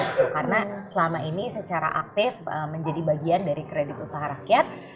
karena selama ini secara aktif menjadi bagian dari kredit usaha rakyat